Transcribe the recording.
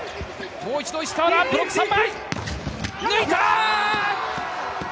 もう一度石川だ、ブロック３枚、抜いた！